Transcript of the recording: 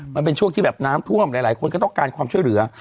มันเป็นช่วงที่แบบน้ำท่วมหลายคนก็ต้องการความช่วยเหลือ